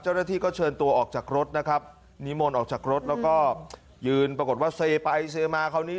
เจ้าหน้าที่ก็เชิญตัวออกจากรถนะครับนิมนต์ออกจากรถแล้วก็ยืนปรากฏว่าเซไปเซมาคราวนี้